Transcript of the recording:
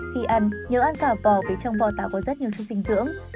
khi ăn nhớ ăn cả vò vì trong vò táo có rất nhiều chất dinh dưỡng